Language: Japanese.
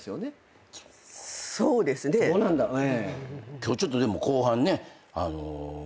今日ちょっとでも後半ね。